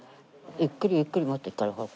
ゆっくりゆっくり持っていったらそうそう。